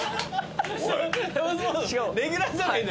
レギュラーじゃない。